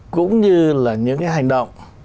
cũng như là những cái hành động